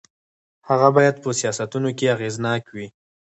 هغه باید په سیاستونو کې اغېزناک وي.